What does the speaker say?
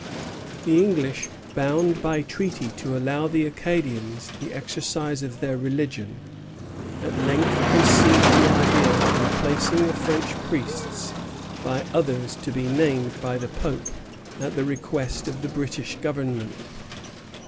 The English, bound by treaty to allow the Acadians the exercise of their religion, at length conceived the idea of replacing the French priests by others to be named by the Pope at the request of the British Government.